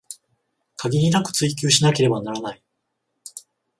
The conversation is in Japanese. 限りなく追求しなければならない